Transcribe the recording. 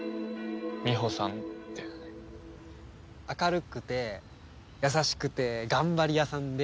明るくて優しくて頑張り屋さんで。